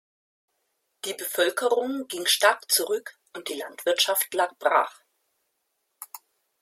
Die Bevölkerung ging stark zurück und die Landwirtschaft lag brach.